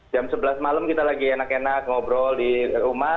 jam sebelas malam kita lagi enak enak ngobrol di rumah